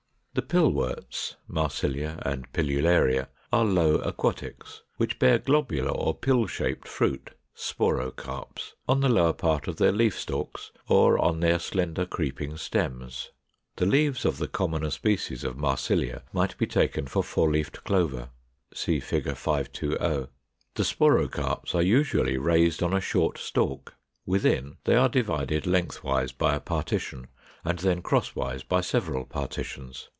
] 495. =The Pillworts= (Marsilia and Pilularia) are low aquatics, which bear globular or pill shaped fruit (SPOROCARPS) on the lower part of their leaf stalks or on their slender creeping stems. The leaves of the commoner species of Marsilia might be taken for four leaved Clover. (See Fig. 520.) The sporocarps are usually raised on a short stalk. Within they are divided lengthwise by a partition, and then crosswise by several partitions.